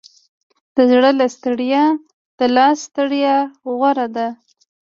د زړه له ستړې، د لاس ستړې غوره ده.